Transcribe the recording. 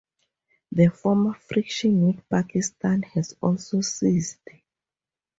The former friction with Pakistan has also ceased.